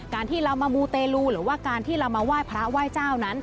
การที่เรามามูเตลูหรือว่าการที่เรามาไหว้พระไหว้เจ้านั้น